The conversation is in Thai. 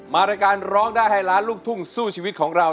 รายการร้องได้ให้ล้านลูกทุ่งสู้ชีวิตของเรา